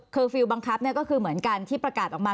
ก็เหมือนกันที่ประกาศออกมา